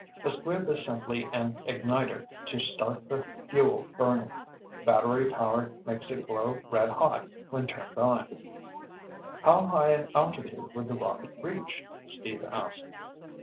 A squib is simply an igniter to start the fuel burning. Battery power makes it glow red hot when turned on." "How high an altitude would the rocket reach?" Steve asked.